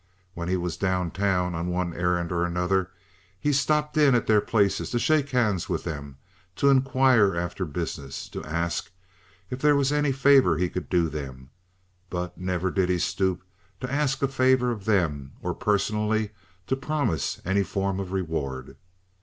When he was down town on one errand or another, he stopped in at their places to shake hands with them, to inquire after business, to ask if there was any favor he could do them; but never did he stoop to ask a favor of them or personally to promise any form of reward.